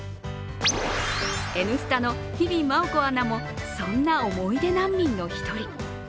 「Ｎスタ」の日比麻音子アナもそんな思い出難民の一人。